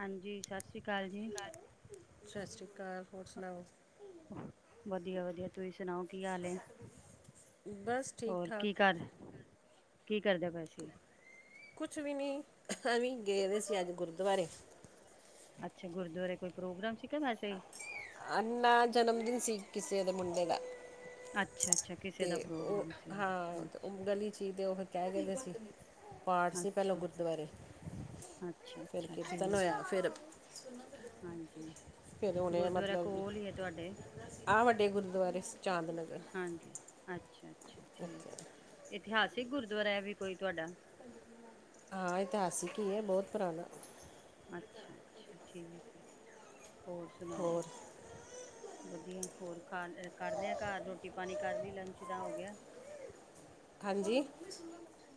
ਹਾਂਜੀ ਸਤਿ ਸ੍ਰੀ ਅਕਾਲ ਜੀ ਸਤਿ ਸ਼੍ਰੀ ਅਕਾਲ ਹੋਰ ਸੁਣਾਓ ਵਧੀਆ-ਵਧੀਆ ਤੁਸੀਂ ਸੁਣਾਓ ਕੀ ਹਾਲ ਏ ਬਸ ਠੀਕ ਹੋਰ ਠਾਕ ਕੀ ਕਰ ਕੀ ਕਰਦੇ ਪਏ ਸੀੇ? ਕੁਛ ਵੀ ਨਹੀਂ ਅਸੀਂ ਗਏਦੇ ਸੀ ਅੱਜ ਗੁਰਦੁਆਰੇ ਅੱਛਾ ਗੁਰਦੁਆਰੇ ਕੋਈ ਪ੍ਰੋਗਰਾਮ ਸੀਗਾ ਵੈਸੇ ਹੀ ਅਨਾ ਜਨਮ ਦਿਨ ਸੀ ਕਿਸੇ ਦੇ ਮੁੰਡੇ ਦਾ ਅੱਛਾ ਅੱਛਾ ਕਿਸੇ ਤੇ ਦਾ ਉਹ ਪ੍ਰੋਗਰਾਮ ਸੀ ਹਾਂ ਉਹ ਅੱਛਾ ਗਲੀ ਚ ਤੇ ਉਹ ਕਹਿ ਗਏ ਸੀ, ਪਾਠ ਸੀ ਪਹਿਲਾਂ ਗੁਰਦੁਆਰੇ ਫਿਰ ਅੱਛਾ-ਅੱਛਾ-ਅੱਛਾ ਕੀਰਤਨ ਠੀਕ ਹੈ ਹੋਇਆ ਫਿਰ ਹਾਂਜੀ। ਫਿਰ ਉਹਨੇ ਗੁਰਦੁਆਰਾ ਮਤਲਬ ਕੋਲ ਹੀ ਹੈ ਤੁਹਾਡੇ ਆਹ ਵੱਡੇ ਗੁਰਦੁਆਰੇ ਚਾਂ ਦਾ ਲੰਗਰ ਹਾਂਜੀ ਅੱਛਾ। ਅੱਛਾ ਠੀਕ ਹੈ ਇਤਿਹਾਸਿਕ ਗੁਰਦੁਆਰਾ ਹੈ ਵੀ ਕੋਈ ਤੁਹਾਡਾ ਹਾਂ ਇਤਿਹਾਸਿਕ ਹੀ ਹੈ ਬਹੁਤ ਪੁਰਾਣਾ ਅੱਛਾ ਅੱਛਾ ਠੀਕ ਹੈ ਹੋਰ ਸੁਣਾਓ ਹੋਰ ਵਧੀਆ ਹੋਰ ਖਾ ਅ ਕਰ ਲਿਆ ਘਰ ਰੋਟੀ ਪਾਣੀ ਕਰ ਲਈ ਲੰਚ ਦਾ ਹੋ ਗਿਆ ਹਾਂਜੀ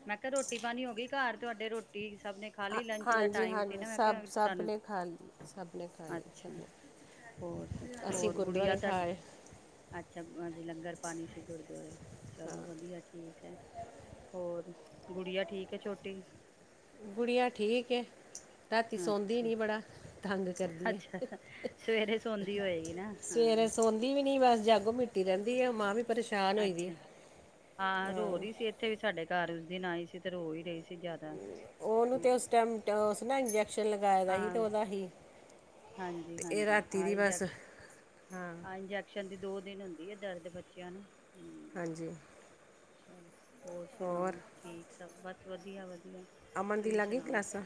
ਮੈਂ ਕਿਹਾ ਰੋਟੀ ਪਾਣੀ ਹੋ ਗਈ ਘਰ ਤੁਹਾਡੇ ਰੋਟੀ ਸਭ ਨੇ ਹਾਂ- ਖਾਲੀ ਲੰਚ ਦਾ ਹਾਂਜੀ ਟਾਈਮ ਸੀ ਹਾਂਜੀ ਨਾ ਮੈਂ ਸਭ ਸਭ ਤੁਹਾਨੂੰ ਨੇ ਖਾ ਲਈ, ਸਭ ਨੇ ਖਾ ਲਈ, ਅੱਛਾ ਹੋਰ ਸਭਨੇ ਅਸੀਂ ਹੋਰ ਗੁੜੀਆ ਗੁਰਦੁਆਰੇ ਖਾ ਤੁਹਾਡੇ ਆਏ। ਅੱਛਾ ਲੰਗਰ ਪਾਣੀ ਸੀ ਗੁਰਦੁਆਰੇ। ਚਲੋ ਹਾਂ ਵਧੀਆ ਠੀਕ ਹੈ। ਹੋਰ ਗੁੜੀਆ ਠੀਕ ਹੈ ਛੋਟੀ ਗੁੜੀਆ ਠੀਕ ਹੈ ਰਾਤੀ ਸੌੰਦੀ ਅੱਛਾ, ਨੀ ਬੜਾ ਤੰਗ ਕਰਦੀ ਅੱਛਾ ਹੈ, ਸਵੇਰੇ ਸੌਦੀ ਹੋਏਗੀ ਨਾ ਸਵੇਰੇ ਹਾਂ। ਸੌੱਦੀ ਵੀ ਨਹੀਂ ਬਸ ਜਾਗੋ ਮਿੱਟੀ ਰਹਿੰਦੀ ਹੈ ਮਾਂ ਵੀ ਪਰੇਸ਼ਾਨ ਹੋੰਦੀ ਅੱਛਾ। ਹੈ ਹਾਂ। ਰੋ ਰਹੀ ਸੀ ਇੱਥੇ ਵੀ ਸਾਡੇ ਘਰ ਉਸ ਦਿਨ ਆਈ ਸੀ ਤੇ ਰੋ ਹੀ ਰਹੀ ਸੀ ਜ਼ਿਆਦਾ। ਉਹਨੂੰ ਤੇ ਉਸ ਟਾਈਮ ਇੰਜੈਕਸ਼ਨ ਲਗਾਏ ਦਾ ਸੀ ਤੇ ਉਹਦਾ ਹੀ ਹਾਂਜੀ ਤੇ ਇਹ ਹਾਂਜੀ ਰਾਤੀ ਆਹ ਦੀ ਬਸ ਇੰਜੈਕਸ਼ਨ ਹਾਂ ਆਹ ਇੰਜੈਕਸ਼ਨ ਦੀ ਦੋ ਦਿਨ ਹੁੰਦੀ ਆ ਦਰਦ ਬੱਚਿਆਂ ਨੂੰ ਹੂੰ ਹਾਂਜੀ [inaudible] ਹੋਰ ਸੁਣਾਓ ਠੀਕ ਸਭ ਪਰ ਵਧੀਆ ਵਧੀਆ ਠੀਕ ਆ ਅਮਨ ਦੀ ਤੁਸੀਂ ਲੱਗ ਗਈ ਸੁਣਾਓ। ਕਲਾਸਾਂ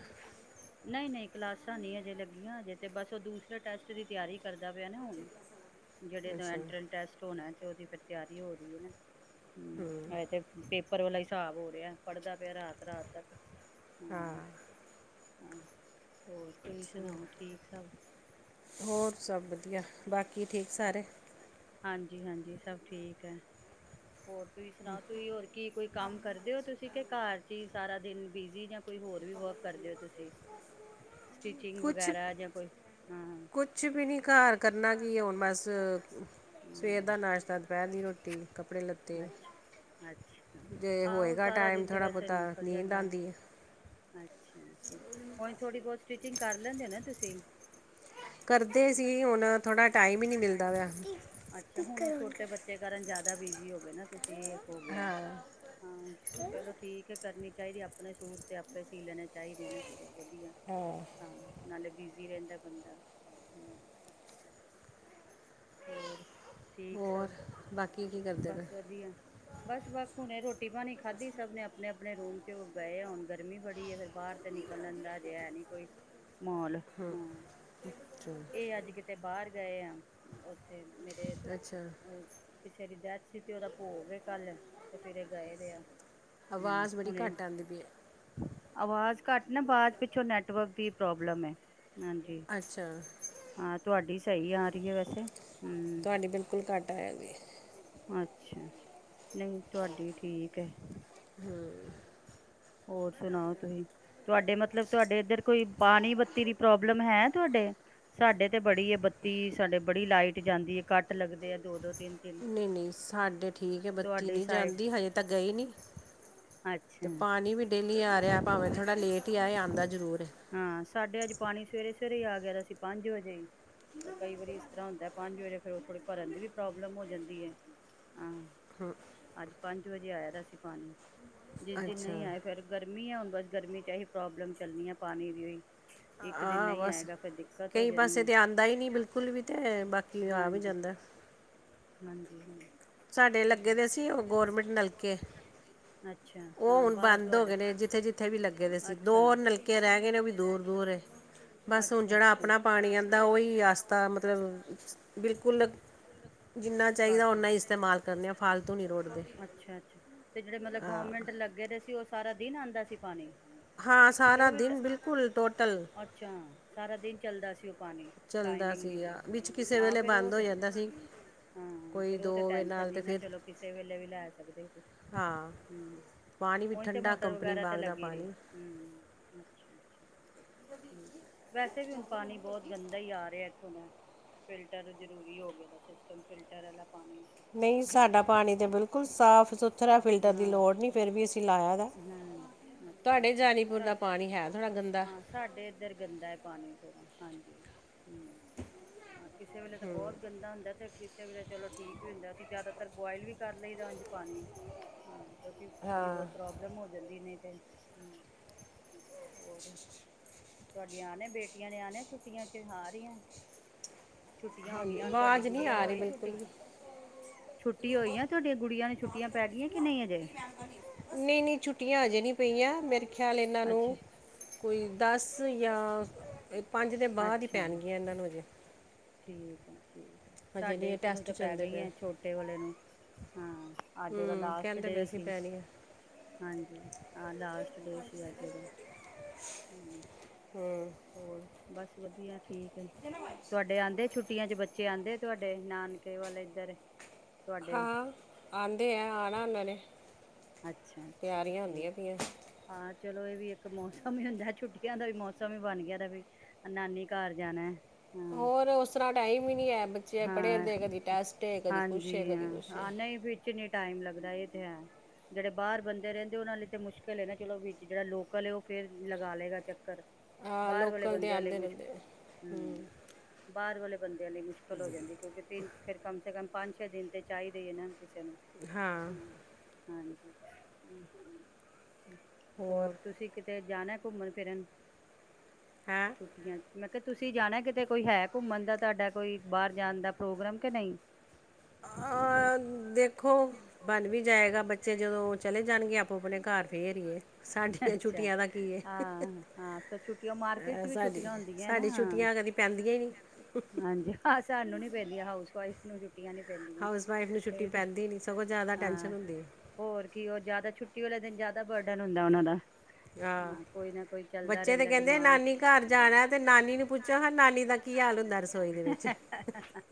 ਨਹੀਂ ਨਹੀਂ ਕਲਾਸਾਂ ਨਹੀਂ ਹਜੇ ਲੱਗੀਆਂ ਹਜੇ ਤੇ ਬਸ ਉਹ ਦੂਸਰੇ ਟੈਸਟ ਦੀ ਤਿਆਰੀ ਕਰਦਾ ਪਿਆ ਨਾ ਹੁਣ। ਜਿਹੜੇ ਅੱਛਾ ਐਂਟਰਸ ਟੈਸਟ ਹੋਣਾ ਤੇ ਉਹਦੀ ਫਿਰ ਤਿਆਰੀ ਹੋ ਰਹੀ ਹੈ ਨਾ? ਹਮ ਹੈ ਤੇ ਉਪਰ ਵਾਲਾ ਹੀ ਹਿਸਾਬ ਹੋ ਰਿਹਾ ਪੜ੍ਹਦਾ ਪਿਆ ਰਾਤ ਰਾਤ ਤੱਕ ਹਾਂ ਹਮ ਹੋਰ ਤੁਸੀਂ ਚਲੋ ਸੁਣਾਓ ਠੀਕ ਸਭ ਹੋਰ ਸਭ ਵਧੀਆ, ਬਾਕੀ ਠੀਕ ਸਾਰੇ? ਹਾਂਜੀ ਹਾਂਜੀ ਸਭ ਠੀਕ ਹੈ। ਹੋਰ ਤੁਸੀਂ ਸੁਣਾਓ ਤੁਸੀਂ ਹੋਰ ਕੀ ਕੋਈ ਕੰਮ ਕਰਦੇ ਹੋ ਤੁਸੀਂ? ਘਰ ਚ ਹੀ ਸਾਰਾ ਦਿਨ ਬੀਜੀ, ਜਾਂ ਕੋਈ ਹੋਰ ਵੀ ਵਰਕ ਕਰਦੇ ਹੋ ਤੁਸੀਂ? ਸਟਿਚਿੰਗ ਕੁਛ ਵਗੈਰਾ ਜਾਂ ਕੋਈ ਹਾਂ ਕੁਛ ਵੀ ਨੀ ਘਰ ਕਰਨਾ ਕੀ ਉਹ ਨਾਸ਼ਤਾ ਦੁਪਹਿਰ ਦੀ ਰੋਟੀ ਕੱਪੜੇ ਲੱਤੇ ਅੱਛ ਜੇ ਹਾਂ ਉਹ ਹੋਏਗਾ ਸਾਰਾ ਟਾਈਮ ਦਿਨ ਤੇ ਥੋੜ੍ਹਾ ਵੈਸੇ ਬਹੁਤਾ ਨਿਕਲ ਨੀਂਦ ਜਾਂਦਾ ਆਉਂਦੀ ਹੈ ਅੱਛਾ ਉਹੀ ਥੋੜੀ ਬਹੁਤੀ ਸਟਿਚਿੰਗ ਕਰ ਲੈਂਦੇ ਨਾ ਤੁਸੀਂ ਕਰਦੇ ਸੀ ਹੁਣ ਥੋੜਾ ਟਾਈਮ ਵੀ ਨਹੀਂ ਮਿਲਦਾ ਪਿਆ ਮਾਸੀ ਅੱਛਾ ਹੁਣ ਉਹ ਸਪੀਕਰ ਔਨ ਛੋਟੇ ਕਰ। ਬੱਚੇ ਕਾਰਨ ਜ਼ਿਆਦਾ ਬਿਜ਼ੀ ਹੋ ਗਏ ਨਾ ਤੁਸੀਂ। ਸੇਫ ਹੋ ਗਿਆ ਹਾਂ ਚਲੋ ਠੀਕ ਹੈ ਕਰਨੀ ਚਾਹੀਦੇ ਆਪਣੇ ਸੂਟ ਤੇ ਆਪੇ ਸੀ ਲੈਣੇ ਚਾਹੀਦੇ ਨੇ। ਬਹੁਤ ਵਧੀਆ ਹਾਂ ਕੰਮ। ਨਾਲੇ ਬਿਜ਼ੀ ਰਹਿੰਦਾ ਬੰਦਾ ਹਾਂ। ਹੋਰ, ਠੀਕ ਸਭ ਹੋਰ ਬਾਕੀ ਕੀ ਕਰਦੇ ਪਏ ਬਸ ਵਧੀਆ ਬਸ ਵ ਹੁਣੇ ਰੋਟੀ ਰੋਟੀ ਪਾਣੀ ਖਾਧੀ ਸਭ ਨੇ ਆਪਣੇ ਆਪਣੇ ਰੂਮ ਚ ਉਹ ਗਏ ਆ ਹੁਣ ਗਰਮੀ ਬੜੀ ਹੈ ਫਿਰ ਬਾਹਰ ਤੇ ਨਿਕਲਣ ਦਾ ਰਿਹਾ ਨੀ ਕੋਈ ਮਾਹੌਲ ਹੂੰ ਹਾਂ ਅੱਛਾ। ਇਹ ਅੱਜ ਕਿਤੇ ਬਾਹਰ ਗਏ ਆ। [inaudible] [inaudible] ਮੇਰੇ ਅੱਛਾ ਕਲੋਜ ਕਿਸੇ ਡੈੱਥ ਕਿਤੇ ਉਹਦਾ ਭੋਗ ਐ ਕੱਲ ਤੇ ਫਿਰ ਇਹ ਗਏ ਪਏ ਆ। ਹਮ ਆਵਾਜ਼ ਬੜੀ ਹੁਣ ਘੱਟ ਆਉਂਦੀ ਪਈ ਹੈ ਆਵਾਜ਼ ਘੱਟ ਨਾ ਬਾਹਰ ਪਿੱਛੋਂ ਨੈਟਵਰਕ ਦੀ ਪ੍ਰੋਬਲਮ ਹੈ। ਹਾਂਜੀ ਅੱਛਾ ਹਾਂ। ਤੁਹਾਡੀ ਸਹੀ ਆ ਰਹੀ ਹੈ ਵੈਸੇ। [inaudible] ਤੁਹਾਡੀ ਬਿਲਕੁਲ ਘੱਟ ਆਇਆ ਜੀ। ਅੱਛਾ ਨਹੀਂ ਤੁਹਾਡੀ ਠੀਕ ਹੈ। ਹੋਰ ਸੁਣਾਓ ਤੁਸੀਂ ਤੁਹਾਡੇ ਮਤਲਬ ਤੁਹਾਡੇ ਇੱਧਰ ਕੋਈ ਪਾਣੀ ਬੱਤੀ ਦੀ ਪ੍ਰੋਬਲਮ ਹੈ ਤੁਹਾਡੇ ਸਾਡੇ ਤੇ ਬੜੀ ਹੈ ਬੱਤੀ ਸਾਡੇ ਬੜੀ ਲਾਈਟ ਜਾਂਦੀ ਹੈ ਕੱਟ ਲੱਗਦੇ ਆ ਦੋ ਦੋ ਤਿੰਨ ਤਿੰਨ ਸਾਡੇ ਨਹੀਂ ਨਹੀਂ ਸਾਡੇ ਠੀਕ ਹੈ ਤੁਹਾਡੀ ਬੱਤੀ ਨਹੀਂ ਸਾਈਡ ਜਾਂਦੀ ਹਜੇ ਤੇ ਗਈ ਨੀ ਗਈ ਨੀ ਅੱਛਾ ਤੇ ਪਾਣੀ ਨਹੀਂ ਵੀ ਡੇਲੀ ਆ ਰਿਹਾ ਭਾਵੇਂ ਥੋੜਾ ਲੇਟ ਹੀ ਆਏ ਆਉਂਦਾ ਜ਼ਰੂਰ ਐ। ਹਾਂ ਸਾਡੇ ਅੱਜ ਪਾਣੀ ਸਵੇਰੇ ਸਵੇਰੇ ਆ ਗਿਆ ਦਾ ਸੀ ਪੰਜ ਵਜੇ ਪਰ ਕਈ ਵਾਰੀ ਇਸ ਤਰ੍ਹਾਂ ਹੁੰਦਾ ਪੰਜ ਵਜੇ ਫਿਰ ਉਹ ਥੋੜੇ ਭਰਨ ਦੀ ਵੀ ਪ੍ਰੋਬਲਮ ਹੋ ਜਾਂਦੀ ਹੈ ਹਾਂ ਅੱਜ ਪੰਜ ਵਜੇ ਆਇਆ ਦਾ ਸੀ ਪਾਣੀ। ਜਿਸ ਦਿਨ ਨਹੀਂ ਅੱਛਾ। ਆਏ। ਨਹੀਂ ਹੁਣ ਬਸ ਗਰਮੀ ਚ ਇਹੀ ਪ੍ਰੋਬਲਮ ਚੱਲਣੀ ਆ ਪਾਣੀ ਦੀ ਓਇ। ਇੱਕ ਦਿਨ ਆਹ ਨਹੀਂ ਬਸ ਆਏਗਾ ਫੇਰਦਿੱਕਤ ਹੋ ਕਈ ਜਾਣੀ ਪਾਸੇ ਐ ਤਾਂ ਆਉਂਦਾ ਹੀ ਨਹੀਂ ਬਿਲਕੁਲ ਵੀ ਤੇ ਬਾਕੀ ਆ ਵੀ ਹਾਂਜੀ ਜਾਂਦਾ। ਹਾਂਜੀ ਹ ਹਮ। [inaudible] ਸਾਡੇ ਲੱਗੇ ਦੇ ਸੀ ਉਹ ਗੌਰਮੈਂਟ ਨਲਕੇ ਅੱਛਾ ਉਹ ਹਾਂ ਹੁਣ ਬਾਹਰ ਬੰਦ ਹੋ ਗਏ ਨੇ ਜਿੱਥੇ ਜਿੱਥੇ ਵੀ ਲੱਗੇ ਦੇ ਸੀ ਦੋ ਨਲਕੇ ਰਹਿ ਗਏ ਨੇ ਉਹ ਵੀ ਦੂਰ ਦੂਰ ਬਸ ਹੁਣ ਏ। ਜਿਹੜਾ ਆਪਣਾ ਪਾਣੀ ਆਉਂਦਾ ਉਹੀ ਅਸੀਂ ਤਾਂ ਮਤਲਬ ਬਿਲਕੁਲ ਜਿੰਨਾ ਚਾਹੀਦਾ ਉਹਨਾਂ ਹੀ [inaudible] ਇਸਤੇਮਾਲ ਕਰਨੇ ਆ ਫਾਲਤੂ ਨਹੀਂ ਰੋੜਦੇ ਅੱਛਾ ਅੱਛਾ ਤੇ ਜਿਹੜੇ ਮਤਲਬ ਹਾਂ। ਗਰਮੈਂਟ ਲੱਗੇ ਨੇ ਸਾਰਾ ਦਿਨ ਆਉਂਦਾ ਸੀ ਪਾਣੀ। ਹਾਂ ਤੇ ਸਾਰਾ ਉਹ ਵੀ ਟ ਦਿਨ ਬਿਲਕੁਲ ਟੋਟਲ ਅੱਛਾ ਸਾਰਾ ਦਿਨ ਚੱਲਦਾ ਸੀ ਉਹ ਪਾਣੀ ਚੱਲਦਾ ਟਾਈਮਿੰਗ ਨਹੀਂ ਸੀ ਸੀਗਾ ਵਿੱਚ ਕਿਸੇ ਹਾਂ ਵੇਲੇ ਫਿਰ ਉਹ ਬੰਦ ਜਾਂਦਾ ਸੀ ਹੋ ਜਾਂਦਾ ਸੀ ਕੋਈ ਫਿਰ ਦੋ ਵਜੇ ਟੈਨਸ਼ਨ ਨਾਲ ਤੇ ਨਹੀਂ ਨਾ ਚਲੋ ਫਿਰ ਉਹ ਤੇ ਕਿਸੇ ਵੇਲੇ ਵੀ ਲੈ ਸਕਦੇ ਤੁਸੀਂ। ਹਾਂ ਪਾਣੀ ਵੀ ਨਹੀਂ ਤੇ ਠੰਡਾ ਮੋਟਰ ਕੰਪਨੀ ਵਗੈਰਾ ਤੇ ਬਾਗ ਦਾ ਲੱਗੀ ਰਹੀ ਪਾਣੀ ਹੂੰ। ਅੱਛਾ ਅੱਛਾ ਠੀਕ ਵੈਸੇ ਵੀ ਹੁਣ ਪਾਣੀ ਬਹੁਤ ਗੰਦਾ ਹੀ ਆ ਰਿਹਾ ਇੱਥੋਂ ਦਾ ਫਿਲਟਰ ਜਰੂਰੀ ਹੋ ਗਿਆ ਸਿਸਟਮ ਫਿਲਟਰ ਵਾਲਾ। ਪਾਣੀ ਨਹੀਂ ਸਾਡਾ ਪਾਣੀ ਤਾਂ ਬਿਲਕੁਲ ਸਾਫ ਸੁਥਰਾ ਫਿਲਟਰ ਦੀ ਲੋੜ ਨਹੀਂ ਫੇਰ ਵੀ [unintelligible] ਅਸੀਂ ਲਾਇਆ ਦਾ ਤੁਹਾਡੇ ਜਾਨੀਪੁਰ ਹਾਂ ਅੱਛਾ ਦਾ ਪਾਣੀ ਹੈ ਥੋੜ੍ਹਾ ਗੰਦਾ [unintelligible] ਸਾਡੇ ਇਧਰ ਗੰਦਾ ਪਾਣੀ ਥੋੜਾ। ਹਾਂਜੀ। ਕਿਸੇ ਵੇਲੇ ਤਾਂ ਬਹੁਤ ਗੰਦਾ ਹੁੰਦਾ ਤੇ। ਕਿਸੇ ਵੇਲੇ ਚਲੋ ਠੀਕ ਵੀ ਹੁੰਦਾ ਸੀ ਜਿਆਦਾਤਰ ਬੋਇਲ ਵੀ ਕਰ ਲਈਦਾ ਉਂਜ ਪਾਣੀ। ਥੋੜੀ ਥੋੜੀ ਹਾਂ ਬਹੁਤ। ਪ੍ਰੌਬਲਮ ਹੋ ਜਾਂਦੀ ਆ ਨਹੀਂ ਤੇ ਹੋਰ ਤਤੁਹਾਡੀਆਂ ਆਣੇ ਬੇਟੀਆਂ ਨੇ ਆਣੇ ਛੁੱਟੀਆਂ ਚ ਆ ਰਹੀਆਂ। ਛੁੱਟੀਆਂ ਹੋ ਹਾਂਜੀ ਗਈਆਂ ਹੁਣ ਤੁਹਾਡੀ ਆਵਾਜ਼ ਨਹੀਂ ਗੁੱਡੀਆਂ ਨੂੰ ਆ ਰਹੀ ਹੋਈ ਬਿਲਕੁਲ ਵੀ ਛੁੱਟੀਆਂ ਹੋਈ ਤੁਹਾਡੀ ਗੁਡੀਆਂ ਨੂੰ ਛੁੱਟੀਆਂ ਪੈ ਗਈਆਂ ਕਿ ਨਹੀਂ ਅਜੇ। ਨਹੀਂ ਨਹੀਂ ਛੁੱਟੀਆਂ ਅਜੇ ਨਹੀਂ ਪਈਆਂ, ਮੇਰੇ ਖਿਆਲ ਇਹਨਾਂ ਨੂੰ ਕੋਈ ਦਸ ਜਾਂ ਪੰਜ ਦੇ ਬਾਅਦ ਹੀ ਪੈਣਗੀਆਂ ਇਹਨਾਂ ਨੂੰ ਹਜੇ ਠੀਕ ਆ ਸਾਡੇ ਇੱਕ ਨੂੰ ਟੈਸਟ ਤਾਂ ਪੈ ਚੱਲਦੇ ਗਈ ਪਏ ਆ ਛੋਟੇ ਵਾਲੇ ਨੂੰ ਅੱਜ ਦਾ ਹੂੰ ਲਾਸਟ ਕਹਿੰਦੇ ਪਏ ਡੇ ਸੀ ਪੈਣੀ ਆ ਹਾਂਜੀ ਆਹ ਲਾਸਟ ਡੇ ਸੀ ਅੱਜ ਦਾ ਹੂੰ ਔਰ ਬਸ [inaudible] ਠੀਕ ਹੈ ਤੁਹਾਡੇ ਜਾਂਦੇ ਛੁੱਟੀਆਂ ਚ ਬੱਚੇ ਆਉਂਦੇ ਤੁਹਾਡੇ ਨਾਨਕੇ ਵਾਲੇ ਇਧਰ। ਹਾਂ ਆਉਂਦੇ ਐ ਆਣਾ ਊਨਾਨੇ ਅੱਛਾ ਅੱਛਾ ਠੀਕ ਚਲੋ ਇਹ ਵੀ ਇੱਕ ਮੌਸਮ ਈ ਹੁੰਦਾ ਐ, ਛੁੱਟੀਆਂ ਦਾ ਵੀ ਮੌਸਮ ਹੀ ਬਣ ਗਿਆ ਦਾ ਬਈ ਨਾਨੀ ਘਰ ਜਾਣਾ। ਹਾਂ ਔਰ ਉਸ ਤਰਾਂ ਟਾਈਮ ਹੀ ਨਹੀਂ ਹੈ, ਬੱਚੇ ਆਪਣੇ ਹਾਂ ਦੇ ਕਦੀ ਟੈਸਟ ਹ ਕਦੀ ਕੁਛ ਹ ਕਦੀ ਕੁਛ ਹ ਕਿੰਨਨੇ ਟਾਈਮ ਲੱਗਦਾ ਇਹ ਤੇ ਹੈ ਜਿਹੜੇ ਬਾਹਰ ਬੰਦੇ ਰਹਿੰਦੇ ਉਹਨਾਂ ਲਈ ਤੇ ਮੁਸ਼ਕਿਲ ਏ ਨਾ ਚਲੋ ਵਿਚ ਜਿਹੜਾ ਲੋਕਲ ਉਹ ਫਿਰ ਲਗਾ ਲਏਗਾ ਚੱਕਰ ਆ ਬਾਹਰ ਵਾਲੇ ਲੋਕਲ ਤੇ ਬੰਦਿਆਂ ਲਈ ਆਂਦੇ ਰਹਿੰਦੇ ਆ। ਮੁਸ਼ਕਿਲ ਹੂੰ ਬਾਹਰ ਵਾਲੇ ਬੰਦਿਆਂ ਲਈ ਮੁਸ਼ਕਿਲ ਹੋ ਜਾਂਦੀ ਕਿਉਂਕਿ ਤੇ ਫਿਰ ਕੰਮ ਸੇ ਕੰਮ ਪੰਜ ਫਿਰ ਦਿਲ ਤੇ ਚਾਈਦੇ ਏ ਨਾ। [unintelligible] ਹਾਂ ਹਾਂਜੀ [inaudible] ਹੋਰ ਤੁਸੀਂ ਕਿਤੇ ਜਾਣਾ। ਘੁੰਮਣ ਫ਼ਿਰਨ ਹੈ [unintelligible] ਮੈਂ ਕਿਆ ਤੁਸੀਂ ਜਾਣਾ ਕਿਤੇ ਕੋਈ ਹੈ ਘੰਮਣ ਦਾ ਤੁਹਾਡਾ ਕੋਈ ਬਾਹਰ ਜਾਣ ਦਾ ਪ੍ਰੋਗਰਾਮ ਕਿ ਨਹੀਂ। ਆਹ! ਦੇਖੋ, ਬਣ ਵੀ ਜਾਏਗਾ ਬੱਚੇ ਜਦੋਂ ਚਲੇ ਜਾਣਗੇ ਆਪੋ -ਆਪਣੇ ਘਰ ਫੇਰ ਹੀਏ, ਸਾਡੀਆਂ ਅੱਛਾ ਛੁੱਟੀਆਂ ਦਾ ਕੀ ਏ। ਹਾਂ ਹਾਂ ਫਿਰ ਛੁੱਟੀਆਂ ਮਾਰਕੀਟ ਚ ਵੀ ਸਾਡੀ, ਛੁੱਟੀਆਂ ਹੁੰਦੀਆਂ ਨਾ ਸਾਡੀ ਹਾਂ ਛੁੱਟੀਆਂ ਕਦੀ ਪੈਂਦੀਆਂ ਹੀ ਨਹੀਂ। ਤੁਹਾਨੂੰ ਨੀ ਪੈਂਦੀਆਂ ਹਊਸ ਵਾਈਫ ਨੂੰ ਛੁੱਟੀਆਂ ਨੀ ਪੈਂਦੀਆਂ ਹਾਊਸ ਵਾਈਫ ਨੂੰ ਛੁੱਟੀ ਇਹ ਤੇ ਪੈਂਦੀ ਨਹੀਂ ਸਗੋਂ ਜ਼ਿਆਦਾ ਟੈਂਸ਼ਨ ਹਾਂ ਹੁੰਦੀ ਹੈ ਹੋਰ ਕੀ ਉਹ ਜ਼ਿਆਦਾ ਛੁੱਟੀ ਵਾਲੇ ਦਿਨ ਜ਼ਿਆਦਾ ਬਰਡਨ ਹੁੰਦਾ ਉਹਨਾਂ ਦਾ ਹਾਂ ਕੋਈ ਨਾ ਕੋਈ ਚੱਲਦਾ ਬੱਚੇ ਤੇ ਰਹਿੰਦਾ ਕਹਿੰਦੇ ਡਿਮਾਂਡ ਬੱਚੇ ਨਾਨੀ ਤੇ ਘਰ ਕਹਿੰਦੇ ਨਾਨੀ ਜਾਣਾ ਘਰ ਤੇ ਜਾਣਾ ਤੇ ਪੁੱਛੋ ਨਾਨੀ ਹਾਂ ਨੂੰ ਦਾ ਪੁੱਛਾਂ ਹਾਲ ਨਾਨੀ ਦਾ ਹੁੰਦਾ ਕੀ ਰਸੋਈ ਦੇ ਵਿੱਚ ਹਾਲ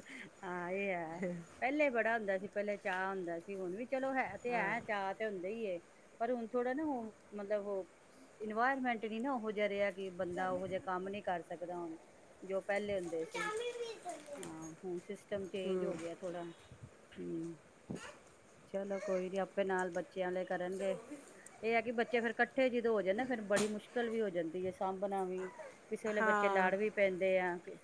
ਏ--ਹਾਂ ਇਹ ਹੈ ਪਹਿਲੇ ਬੜਾ ਹੁੰਦਾ ਸੀ ਪਹਿਲੇ ਚਾਹ ਹੁੰਦਾ ਸੀ ਹੁਣ ਵੀ ਚਲੋ ਹੈ ਤੇ ਹਾਂ ਹੈਂ ਚਾਅ ਤੇ ਹੁੰਦਾ ਹੀ ਏ, ਪਰ ਹੁਣ ਥੋੜਾ ਨਾ- ਹ- ਮਤਲਬ ਉਹ ਇਨਵਾਇਰਮੈਂਟ ਨੀ ਨਾ ਉਹ ਜਿਹਾ ਰਿਹਾ ਕਿ ਬੰਦਾ ਉਹ ਜਿਹਾ ਕੰਮ ਨਹੀ ਕਰ ਸਕ ਸਕਦਾ ਹੁਣ, ਜੋ ਪਹਿਲੇ ਹੁੰਦੇ ਸੀ। ਹਾਂ, ਹੁਣ ਸਿਸਟਮ ਚੇਂਜ ਹੋ ਹੂੰ ਗਿਆ ਥੋੜ੍ਹਾ ਠੀਕ ਚਲੋ ਕੋਈ ਨੀ ਆਪੇ ਨਾਲ ਬੱਚਿਆਂ ਨਾਲੇ ਕਰਨਗੇ, ਇਹ ਆ ਕਿ ਬੱਚੇ ਫੇਰ ਇਕੱਠੇ ਜਿਦੋਂ ਹੋ ਜਾਣ ਨਾ ਫੇਰ ਬੜੀ ਮੁਸ਼ਕਿਲ ਵੀ ਹੋ ਜਾਂਦੀ ਹੈ ਸਾਂਭਣਾ ਵੀ ਕਿਸੇ ਵੇਲੇ ਬੱਚੇ ਹਾਂ ਲੜ ਵੀ ਪੈਂਦੇ ਆ ਕੇ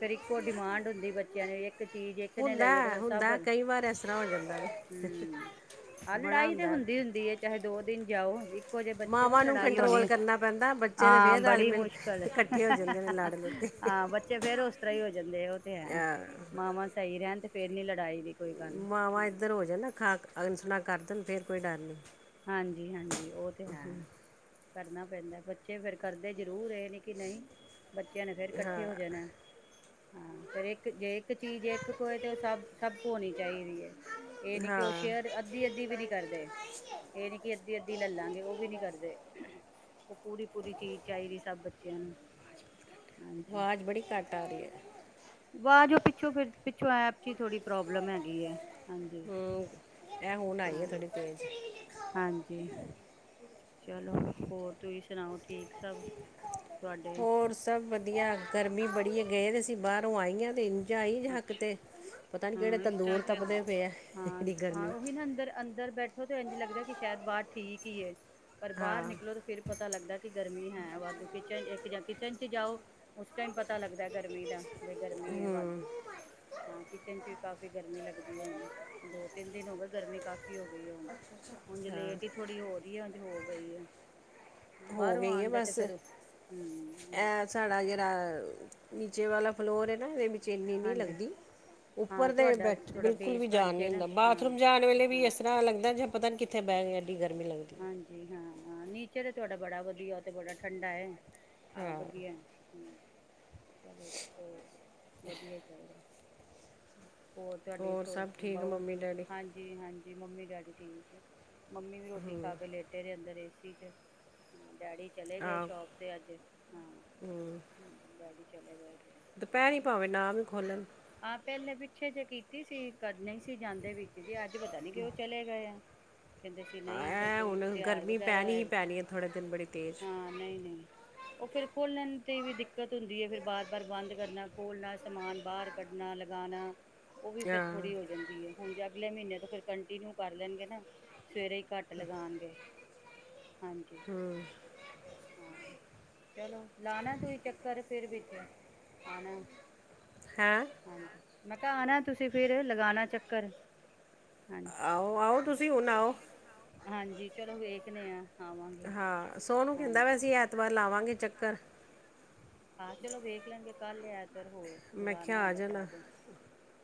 ਫੇਰ ਇੱਕੋ ਡਿਮਾਂਡ ਹੁੰਦੀ ਬੱਚਿਆਂ ਨੇ ਇੱਕ ਚੀਜ਼ ਇੱਕ ਨੇ ਹੁੰਦਾ ਲਈਏ ਤੇ ਹੈ, ਫਿਰ ਸਭ [inaudible] ਹੁੰਦਾ ਹੈ, ਹੂੰ ਕਈ ਵਾਰ ਇਸ ਤਰ੍ਹਾਂ ਹੋ ਜਾਂਦਾ ਹੈ ਆਹ ਬੜਾ ਲੜਾਈ ਤੇ ਹੁੰਦਾ ਹੈ। ਹੁੰਦੀ- ਹੁੰਦੀ ਚਾਹੇ ਦੋ ਦਿਨ ਜਾਓ, ਇੱਕੋ ਜਿਹੇ ਬੱਚੇ ਹੋ ਮਾਵਾਂ ਨੂੰ ਲੜਾਈ ਹੋਣੀ ਕੰਟਰੋਲ ਕਰਨਾ ਪੈਂਦਾ ਬੱਚੇ ਤੇ ਹਾਂ ਫੇਰ ਰਲ ਬੜੀ ਮਿਲ ਮੁਸ਼ਕਿਲ, ਕੇ ਇਕੱਠੇ ਹੋ ਜਾਂਦੇ ਨੇ ਹਾਂ-ਹਾਂ ਲੜ ਲੜ ਕੇ ਹਾਂ ਬੱਚੇ ਫੇਰ ਉਸ [unintelligible] ਜਾਂਦੇ ਉਹ ਤੇ ਹੈ, ਹਾਂ, ਮਾਵਾਂ ਸਹੀ ਰਹਿਣ ਤੇ ਫਿਰ ਨੀ ਲੜਾਈ ਦੀ ਕੋਈ ਗੱਲ ਮਾਵਾਂ ਹਾਂ ਇੱਧਰ ਹੋ ਜਾਨਾ ਖਾ ਅਣਸੁਣਾ ਕਰਦੇ ਦਿੰਦੇ ਫਿਰ ਕੋਈ ਡਰ ਨਹੀਂ ਹਾਂਜੀ, ਹਾਂਜੀ ਉਹ ਤੇ ਹੈ। ਕਰਨਾ ਪੈਂਦਾ ਬੱਚੇ ਫੇਰ ਕਰਦੇ ਜ਼ਰੂਰ ਇਹ ਨੇ ਕਿ ਨਹੀਂ ਬੱਚਿਆਂ ਨੇ ਫੇਰ ਇਕੱਠੇ ਹੋ ਹਾਂ ਜਾਣਾ ਹਾਂ। ਫੇਰ ਇੱਕ ਜੇ ਇੱਕ ਚੀਜ਼ ਇੱਕ ਕੋ ਹੋਏ ਤੇ ਉਹ ਸਭ- ਸਭ ਕੋ ਹੋਣੀ ਚਾਹੀਦੀ ਹੈ ਇਹ ਨੀ ਕਿ ਉਹ ਸ਼ੇਅਰ ਅੱਧੀ -ਅੱਧੀ ਵੀ ਨੀ ਕਰਦੇ ਇਹ ਨੀ ਕਿ ਅੱਧੀ ਅੱਧੀ ਲੈਲਾਂਗੇ ਉਹ ਵੀ ਨੀ ਕਰਦੇ ਪੂਰੀ -ਪੂਰੀ ਚੀਜ਼ ਚਾਹੀਦੀ ਸਭ ਬੱਚਿਆਂ ਨੂੰ, ਹਾਂਜੀ ਆਵਾਜ਼ ਬੜੀ ਘੱਟ ਆ ਰਹੀ ਹੈ [inaudible] ਵਾਜ ਪਿੱਛੋਂ ਫਿਰ ਪਿੱਛੋਂ ਐ [unintelligible] ਥੋੜੀ ਪ੍ਰੋਬਲਮ ਹੈਗੀ ਹੈ, ਹਾਂਜੀ ਹੂੰ ਇਹ ਹੁਣ ਆਈ ਹੈ ਹਾਂ ਥੋੜੀ ਤੇਜ਼ ਹਾਂਜੀ। ਚਲੋ, ਹੋਰ ਤੁਸੀਂ ਸੁਣਾਓ ਠੀਕ ਸਭ ਹੋਰ ਸਭ ਵਧੀਆ ਗਰਮੀ ਬੜੀ ਹੋ ਗਏ ਤੇ ਅਸੀਂ ਬਾਹਰੋਂ ਆਈ ਆ ਤੇ ਇੰਝ ਆਈ ਜਿਹਾ ਅੱਛਾ ਕਿਤੇ ਪਤਾ ਨੀ ਕਿਹੜੇ ਹਾਂ ਇਸ ਤੰਦੂਰ ਟਾਈਮ ਤੇ ਤਪਦੇ ਪਏ ਹੈ ਇਡੀ ਗਰਮੀ। ਉਹ ਤਾਂ ਇੰਜ ਲੱਗਦਾ ਕਿ ਸ਼ਾਇਦ ਬਾਹਰ ਠੀਕ ਹੀ ਏ। ਪਰ ਬਾਹਰ ਹਾਂ ਨਿਕਲੋ ਤਾਂ ਫਿਰ ਪਤਾ ਲੱਗਦਾ ਕਿ ਗਰਮੀ ਹੈ ਵਾਧੂ ਕਿੱਚ ਇੱਕ ਜਾਂ ਦਿਨ ਚ ਜਾਓ ਉਸ ਟਾਈਮ ਪਤਾ ਲੱਗਦਾ। ਗਰਮੀ ਦਾ ਵੀ ਗਰਮੀ ਐ ਹੂੰ ਵਾਧੂ ਹਾਂ ਕਿਚਨ ਚ ਕਾਫ਼ੀ ਗਰਮੀ ਲੱਗਦੀ ਹੁਣ ਦੋ ਤਿੰਨ ਦਿਨ ਹੋ ਗਏ ਗਰਮੀ ਕਾਫ਼ੀ ਹੋ ਗਈ ਹੁਣ। ਉੰਝ ਹਾਂ ਲੇਟ ਬੀ ਥੋੜੀ ਹੋ ਰਹੀ ਹੈ। ਹੋ ਗਈ ਹੈ। ਹੋ ਬਾਹਰੋਂ ਗਈ ਹੈ ਆਣ ਦਾ ਤੇ ਬਸ ਫੇਰ ਹੂੰ ਬਸ ਇਹ ਸਾਡਾ ਜਿਹੜਾ ਨੀਚੇ ਵਾਲਾ ਫਲੋਰ ਹੈ ਨਾ ਇਹਦੇ ਵਿੱਚ ਇੰਨੀ ਨਹੀਂ ਹਾਂਜੀ ਲੱਗਦੀ। ਹਾਂ ਉੱਪਰ ਦੇ ਤੁਹਾਡਾ ਬੈਠ ਥੋੜਾ ਬਿਲਕੁਲ ਵੀ ਬੇਸਮੈਂਟ ਜਾਣ ਚ ਨੀ ਨਾ ਹੁੰਦਾ ਹਾਂ ਬਾਥਰੂਮ ਜਾਣ ਵੇਲੇ ਵੀ ਹਾਂ ਇਸ ਤਰ੍ਹਾਂ ਲੱਗਦਾ ਜੇ ਪਤਾ ਨਹੀਂ ਕਿੱਥੇ ਬਹਿ ਐਡੀ ਗਰਮੀ ਲੱਗਦੀ। ਹਾਂਜੀ ਹਾਂ ਨੀਚਰ ਤੁਹਾਡਾ ਬੜਾ ਵਧੀਆ ਤੇ ਬੜਾ ਠੰਡਾ ਹੈ। ਆਹ ਹਾਂ ਵਧੀਆ। ਚਲੋ ਜੀ ਹੋਰ ਵਧੀਆ ਚਾਹੀਦਾ। ਹੋਰ ਤੁਹਾਡੇ ਛੋ ਸਭ ਠੀਕ ਬਹੁ ਮੰਮੀ ਡੈਡੀ ਹਾਂਜੀ ਹਾਂਜੀ। ਜੀ ਮੰਮੀ ਡੈਡੀ ਠੀਕ ਹੈ। ਮੰਮੀ ਵੀ ਰੋਟੀ ਖਾ ਕੇ ਲੇਟੇ ਰਹੇ ਅੰਦਰ ਏ ਲੋਬੀ ਚ ਡੈਡੀ ਚਲੇ ਗਏ ਆਹ ਸ਼ੋਪ ਤੇ ਅੱਜ ਹਾਂ ਡੈਡੀ। ਚਲੇ ਗਏ। ਤੇ ਦੁਪਹਿਰੀ ਭਾਵੇਂ ਨਾ ਵੀ ਖੋਲਣ। ਹਾਂ ਪਹਿਲੇ ਪਿੱਛੇ ਜੇ ਕੀਤੀ ਸੀ ਕਰਨੀ ਸੀ ਜਾਂਦੇ ਵਿੱਚ ਜੇ ਇਹ ਪਤਾ ਨੀ ਕਿਉਂ ਚਲੇ ਗਏ ਆ। ਕਹਿੰਦੇ ਸੀ ਨਹੀਂ ਜਾਂ ਐ ਕੋਈ ਹੁਣ ਤਿਆਰ ਗਰਮੀ ਵਗੈਰਾ ਪੈਣੀ ਹੀ ਹੋਏ ਪੈਣੀ ਹੈ ਥੋੜ੍ਹੇ ਦਿਨ ਬੜੀ ਤੇਜ਼ ਹਾਂ ਨਹੀਂ ਨਹੀਂ। ਉਹ ਫਿਰ ਖੋਲਣ ਤੇ ਵੀ ਦਿੱਕਤ ਹੁੰਦੀ ਹੈ ਫਿਰ ਬਾਰ ਬਾਰ ਬੰਦ ਕਰਨਾ ਖੋਲਣਾ ਸਮਾਨ ਬਾਹਰ ਕੱਢਣਾ ਗਾਣਾ ਉਹ ਵੀ ਫੇਰ ਹਾਂ ਥੋੜ੍ਹੀ ਹੋ ਜਾਂਦੀ ਹੈ ਹੁਣ ਜਾ ਅਗਲੇ ਮਹੀਨੇ ਤੋਂ ਫਿਰ ਕੰਟੀਨਿਊ ਕਰ ਲੈਣਗੇ ਨਾ। ਸਵੇਰੇ ਹੀ ਕੱਟ ਲਗਾਉਣਗੇ। ਹਾਂਜੀ ਹੂੰ ਹਾਂ। ਚਲੋ। ਨਾ ਨਾ ਕੋਈ ਚੱਕਰ ਫਿਰ ਵੀ ਕੈ ਆਣਾ। ਹੈਂ। ਹਾਂਜੀ, ਮੈਂ ਕਯਾ ਆਣਾ ਤੁਸੀਂ ਫਿਰ ਲਗਾਣਾ ਚੱਕਰ। ਹਾਂਜੀ ਆਓ ਆਓ ਤੁਸੀਂ ਹੁਣ ਆਓ। ਹਾਂਜੀ, ਚਲੋ ਵੇਖਣੇ ਆਂ। ਹਾਂ, ਸੋਨੂ ਕਹਿੰਦਾ ਪਿਆ ਸੀ ਐਤਵਾਰ ਲਾਵਾਂਗੇ ਚੱਕਰ। ਹਾਂ ਚਲੋ ਵੇਖ ਲਾਂਗੇ ਕੱਲ ਲੈਜ ਰ ਹੋਰ ਲਗਾਨਾ ਹੋਏਗਾ। ਤੇ ਆ ਹਨਾ‌। ਜਾਣ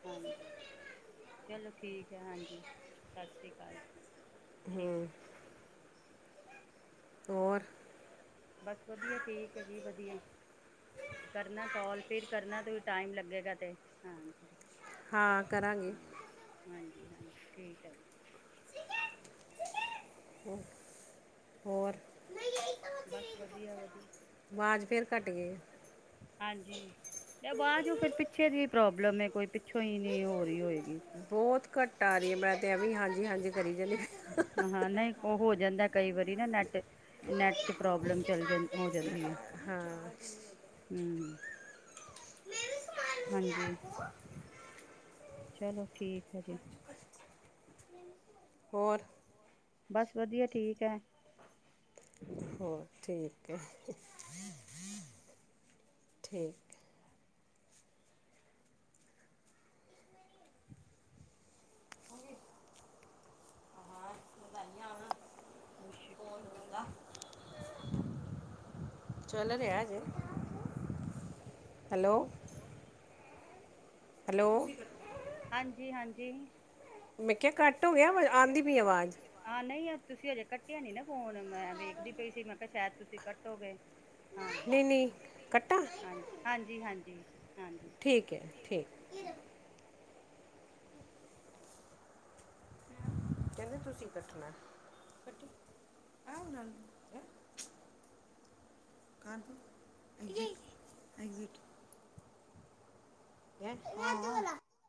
ਹਾਂਜੀ, ਚਲੋ ਠੀਕ ਹੈ। ਹਾਂਜੀ, ਸਤ ਸ਼੍ਰੀ ਕਾਲ। ਠੀਕ। ਹੂੰ ਹੋਰ। ਬਸ ਵਧੀਐ ਠੀਕ ਹੈ ਜੀ ਵਧੀਐ। ਕਰਨਾ ਕਾਲ ਫਿਰ ਕਰਨਾ ਤੁਸੀ ਟਾਈਮ ਲੱਗੇਗਾ ਤੇ, ਹਾਂਜੀ। ਹਾਂ, ਕਰਾਂਗੇ। ਜੀ ਹਾਂਜੀ, ਠੀਕ ਹੈ ਜੀ। ਹੋ ਹੋਰ। ਬਸ, ਵਧੀਆ ਵਧੀਅ। ਆਵਾਜ਼ ਫਿਰ ਘੱਟ ਗਈ ਹਾਂਜੀ, ਐ ਵਾਜ਼ ਔ ਫਿਰ ਪਿੱਛੇ ਜੀ ਪ੍ਰੋਬਲਮ ਏ ਕੋਈ ਪਿੱਛੋਂ ਹੀ ਨੀ ਹੋਰਹੀ ਹੋਏਗੀ। ਬਹੁਤ ਘੱਟ ਆ ਰਹੀ ਏ, ਮੈਂ ਤੇ ਐਵੇਂ ਹਾਂਜੀ ਹਾਂਜੀ ਕਰੀ ਜਾਂਣੀ ਪਈ ਆ। ਅ ਹਾਂ ਨਹੀਂ ਉਹ ਹੋ ਜਾਂਦਾ ਕਈ ਈ ਵਰੀ ਨਾ ਨੈੱਟ ਨੈੱਟ ਚ ਚ ਪ੍ਰੋਬਲਮ ਚੱਲ ਜਨ ਹੋ ਜਂਦੀ ਏ ਹਾਂ ਹਮ। ਹਾਂਜੀ। ਚਲੋ, ਠੀਕ ਹੈ ਜੀ। ਹੋਰ। ਬਸ ਵਧੀਆ, ਠੀਕ ਐ। ਹੋਰ ਠੀਕ ਏ, ਠੀਕੇ। ਉਹ ਛਿਟ ਪਾਲਣੀ ਪੁਟ ਚੱਲ ਰਿਹਾ ਜੇ ਹੈਲੋ। ਹੈਲੋ। ਹੈਲੋ। ਹਾਂਜੀ, ਹਾਂਜੀ। ਮੈਂ ਕਿਆ ਕਟ ਹੋ ਗਿਆ ਆਂਦੀ ਪਈ ਏ ਆਵਾਜ਼। ਹਾਂ ਨਹੀਂ ਤੁਸੀਂ ਹਜੇ ਕੱਟਿਆ ਨੀ ਨਾ ਫੋਨ ਮੈਂ ਵੇਖਦੀ ਪਈ ਸੀ ਮੈਂ ਕਿਆ ਸ਼ਾਇਦ ਤੁਸੀਂ ਕੱਟੋਗੇ। ਹਾਂ ਨਹੀਂ ਨਹੀਂ ਕੱਟਾ। ਜੀ, ਠੀਕ ਹੈ ਠੀਕ ਕਹਿੰਦੇ ਤੁਸੀਂ ਕੱਟਣਾ ਆ, ਇਹਦੇ ਨਾਲ ਕਰ ਐਗਜਿਟ। [unintelligible]